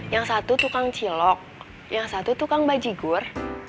yang satu tukang cilok yang satu tukang bajigur